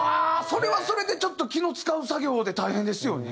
それはそれでちょっと気の使う作業で大変ですよね。